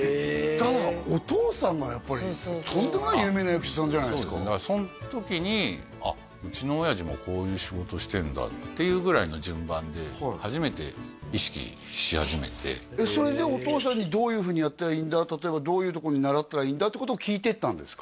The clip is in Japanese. ただお父さんがやっぱりとんでもない有名な役者さんじゃないですかその時にうちの親父もこういう仕事してるんだっていうぐらいの順番で初めて意識し始めてそれでお父さんにどういうふうにやったらいいんだ例えばどういうとこに習ったらいいんだってことを聞いていったんですか？